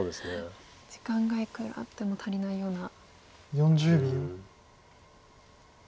時間がいくらあっても足りないような。